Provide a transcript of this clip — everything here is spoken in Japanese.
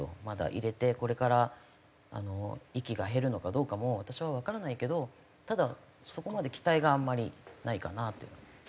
まだ入れてこれから遺棄が減るのかどうかも私はわからないけどただそこまで期待があんまりないかなという。